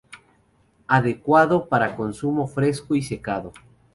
Adecuado para consumo fresco y secado.